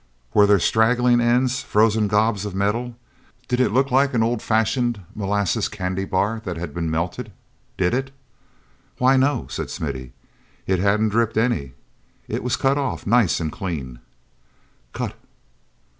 Were there straggling ends, frozen gobs of metal? Did it look like an old fashioned molasses candy bar that's been melted? Did it?" "Why, no," said Smithy. "It hadn't dripped any; it was cut off nice and clean." "Cut!"